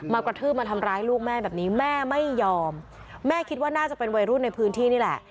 กระทืบมาทำร้ายลูกแม่แบบนี้แม่ไม่ยอมแม่คิดว่าน่าจะเป็นวัยรุ่นในพื้นที่นี่แหละ